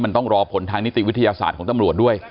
มันต้องรอผลทางนิติวิทยาศาสตร์ของตำรวจด้วย